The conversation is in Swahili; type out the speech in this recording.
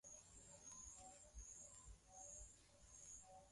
iliokuwa ikielekea nchini tanzania